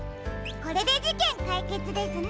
これでじけんかいけつですね。